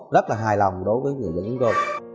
rất là hài lòng đối với người dân tân phú